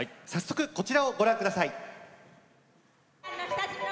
こちらをご覧ください。